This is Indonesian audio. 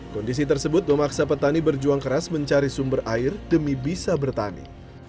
kondisi tersebut memaksa petani berjuang keras mencari sumber air demi bisa bertani